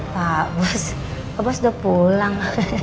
pak bos pak bos udah pulang